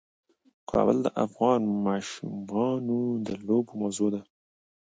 کابل د افغان ماشومانو د لوبو موضوع ده.